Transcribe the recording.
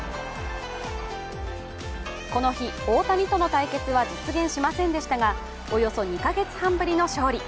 この日、大谷との対決は実現しませんでしたが、およそ２カ月半ぶりの勝利。